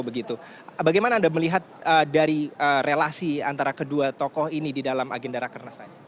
bagaimana anda melihat dari relasi antara kedua tokoh ini di dalam agenda rakernas ini